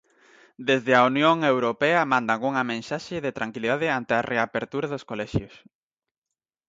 Desde a Unión Europea mandan unha mensaxe de tranquilidade ante a reapertura dos colexios.